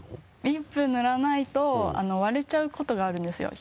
リップ塗らないと割れちゃうことがあるんですよ。